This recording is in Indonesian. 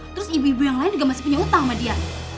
terus ibu ibu yang lain juga masih punya utang sama dia